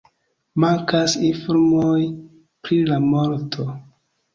Mankas informoj pri la morto.